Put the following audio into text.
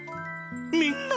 みんな！